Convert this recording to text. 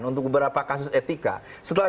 untuk beberapa kasus etika setelah